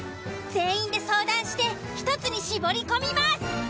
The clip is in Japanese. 全員で相談して１つに絞り込みます。